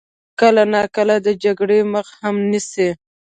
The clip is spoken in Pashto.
کله ناکله د جګړې مخه هم نیسي.